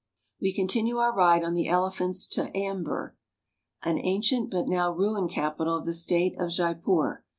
We continue our ride on the elephants to Ambir, an ancient but now ruined capital of the State of Jaipur.